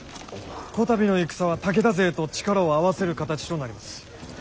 こたびの戦は武田勢と力を合わせる形となります。